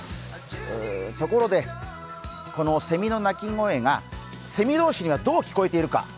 ところで、このセミの鳴き声がセミ同士にはどう聞こえているか。